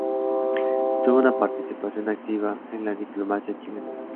Tuvo una participación activa en la diplomacia chilena.